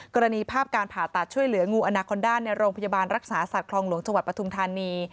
กรณีภาพการผ่าตัดช่วยเหลืองูอนาคอนด้าในโรงพยาบาลรักษาสัตว์คลองหลวงจังหวัดปทุมธานี